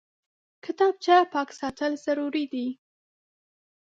کتابچه پاک ساتل ضروري دي